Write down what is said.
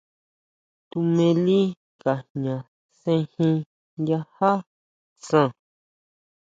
Tuʼmili Ka jña sejin nchaja san.